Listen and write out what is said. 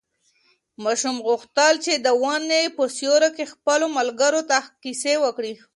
ماشوم غوښتل چې د ونې په سیوري کې خپلو ملګرو ته کیسې وکړي.